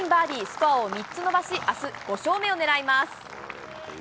スコアを３つ伸ばし、あす、５勝目を狙います。